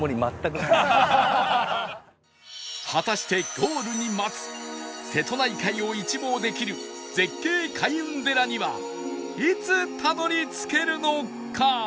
果たしてゴールに待つ瀬戸内海を一望できる絶景開運寺にはいつたどり着けるのか？